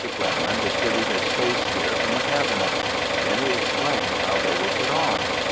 Quinlan distributed space gear from a cabinet. Then he explained how they were put on.